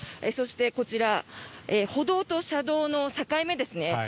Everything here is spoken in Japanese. そして、こちら歩道と車道の境目ですね